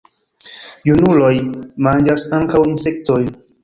Junuloj manĝas ankaŭ insektojn.